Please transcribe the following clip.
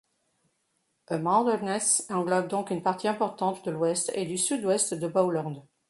Amounderness englobe donc une partie importante de l'ouest et du sud-ouest de Bowland.